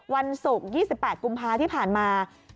วันศุกร์๒๘กุมภาที่ผ่านมา